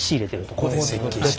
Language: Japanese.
ここで設計して。